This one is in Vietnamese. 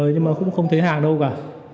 nhưng mà cũng không thấy hàng đâu cả